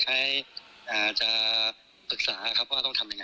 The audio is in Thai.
แล้วลักษณะเหมือนกับว่าคล้ายอ่าวคือจะ